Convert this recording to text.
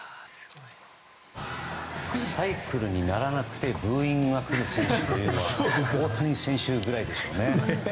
サイクルにならなくてブーイングが来る選手というのは大谷選手ぐらいでしょうね。